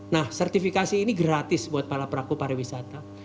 nah sertifikasi ini gratis buat para pelaku pariwisata